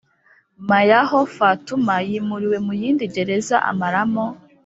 ma yaho Fatuma yimuriwe mu yindi gereza amaramo